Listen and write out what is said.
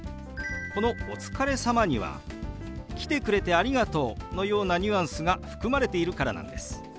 この「お疲れ様」には「来てくれてありがとう」のようなニュアンスが含まれているからなんです。